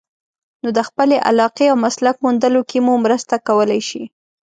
نو د خپلې علاقې او مسلک موندلو کې مو مرسته کولای شي.